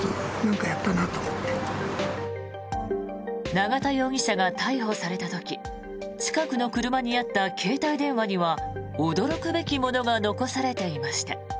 永田容疑者が逮捕された時近くの車にあった携帯電話には驚くべきものが残されていました。